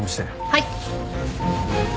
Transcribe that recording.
はい。